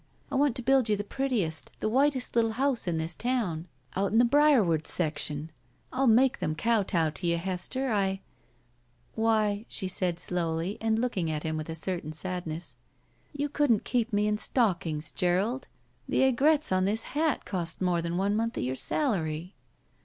I want to build you the prettiest, the whitest little house in this town. Out in the Briarwood section. I'll make them kowtow to you, Hester; I —" "Why," she said, slowly, and looking at him with a certain sadness, "you couldn't keep me in stockings, Gerald! The aigrettes on this hat cost more than one month of your salary."